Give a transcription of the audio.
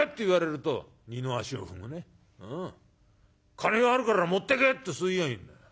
『金があるから持ってけ』ってそう言やぁいいんだよ。